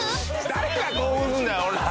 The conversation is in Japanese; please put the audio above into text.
誰が興奮すんだよ